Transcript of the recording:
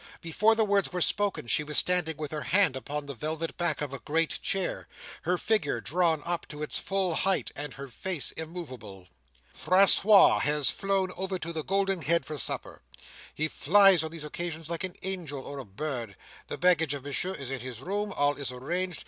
Before the words were spoken, she was standing with her hand upon the velvet back of a great chair; her figure drawn up to its full height, and her face immoveable. "Francois has flown over to the Golden Head for supper. He flies on these occasions like an angel or a bird. The baggage of Monsieur is in his room. All is arranged.